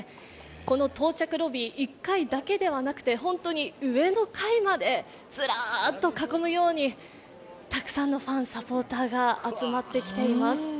この到着ロビー、１階だけではなくて、本当に上の階までずらっと囲むようにたくさんのファン、サポーターが集まってきています。